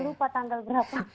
saya lupa tanggal berapa